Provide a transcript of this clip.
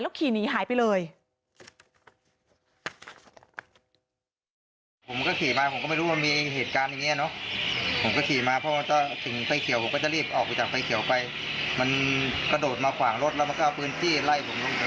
แล้วขี่หนีหายไปเลย